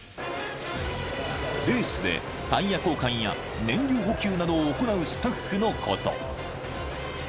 ［レースでタイヤ交換や燃料補給などを行うスタッフのこと］